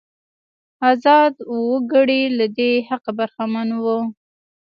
ازاد وګړي له دې حقه برخمن وو.